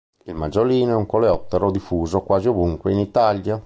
Il maggiolino è un coleottero diffuso quasi ovunque in Italia.